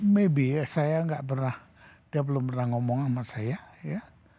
maybe saya nggak pernah dia belum pernah ngomong sama saya ya